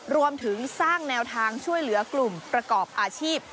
รวมถึงสร้างแนวทางช่วยเหลือกลุ่มประกอบอาชีพ